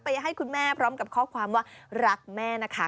ให้คุณแม่พร้อมกับข้อความว่ารักแม่นะคะ